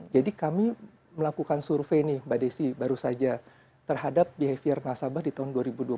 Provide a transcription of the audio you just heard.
jadi kami melakukan survei nih mbak desy baru saja terhadap behavior nasabah di tahun dua ribu dua puluh tiga